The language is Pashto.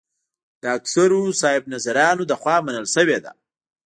د اکثرو صاحب نظرانو له خوا منل شوې ده.